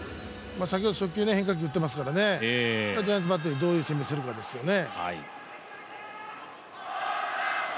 先ほど初球で変化球を打っているので、ジャイアンツバッテリーどう攻めるかですよね。